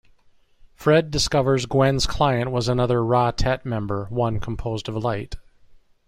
Fred discovers Gwen's client was another Ra-tet member, one composed of light.